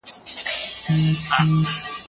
ځان غوښتلې ځان وژنه بېل حالت لري.